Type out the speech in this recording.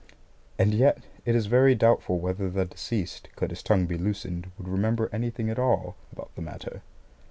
And yet, it is very doubtful whether the deceased, could his tongue be loosened, would remember anything at all about the matter.